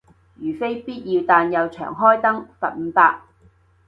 如非必要但又長開燈，罰五百